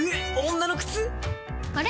女の靴⁉あれ？